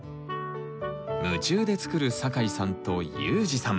夢中で作る酒井さんとユージさん。